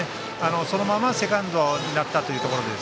そのままセカンドになったというところで。